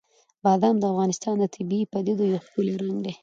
بادام د افغانستان د طبیعي پدیدو یو ښکلی رنګ دی.